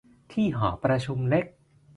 ที่หอประชุมเล็ก